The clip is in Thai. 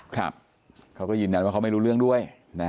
ครับเขาก็ยินว่าเขาไม่รู้เรื่องด้วย